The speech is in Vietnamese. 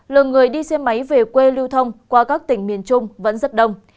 lượng người đi xe máy về quê lưu thông qua các tỉnh miền trung vẫn rất đông